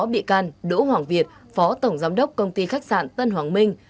bị can đỗ hoàng việt phó tổng giám đốc công ty khách sạn tân hoàng minh